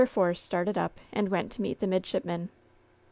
Force started up, and went to meet the midship man.